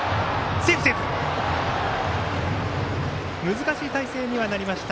難しい体勢にはなりました。